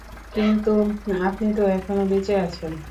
কিন্তু আপনি তো এখনো বেঁচে আছেন।